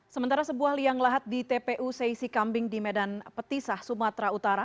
sementara sebuah liang lahat di tpu seisi kambing di medan petisah sumatera utara